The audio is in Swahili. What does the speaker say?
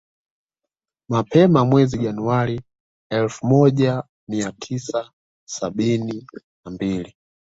Mapema mwezi Januari elfu moja mia tisa sabini na mbili